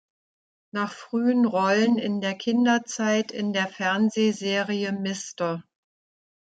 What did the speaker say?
Nach frühen Rollen in der Kinderzeit in der Fernsehserie "Mr.